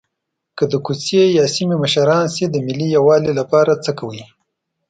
که د کوڅې یا سیمې مشران شئ د ملي یووالي لپاره څه کوئ.